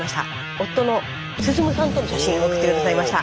夫の進さんとの写真を送って下さいました。